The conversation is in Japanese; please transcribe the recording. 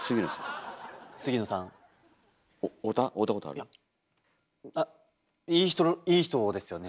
いやあっいい人いい人ですよね。